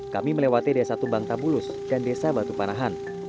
kami melewati desa tumbang tabulus dan desa batu panahan